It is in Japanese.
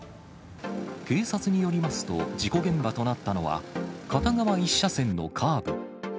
警察によりますと、事故現場となったのは、片側１車線のカーブ。